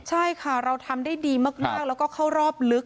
ใช่ค่ะเราทำได้ดีมากแล้วก็เข้ารอบลึก